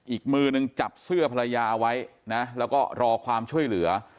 อีกมือนึงจับเสื้อภรรยาไว้นะแล้วก็รอความช่วยเหลือ